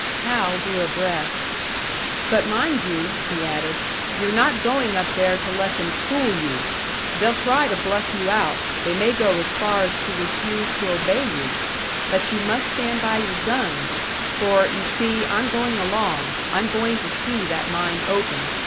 Hal drew a breath. "But mind you!" he added. "You're not going up there to let them fool you! They'll try to bluff you out they may go as far as to refuse to obey you. But you must stand by your guns for, you see, I'm going along, I'm going to see that mine open.